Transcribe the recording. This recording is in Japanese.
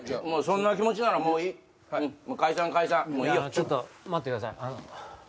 もうそんな気持ちならもういい解散解散もういいよちょっと待ってください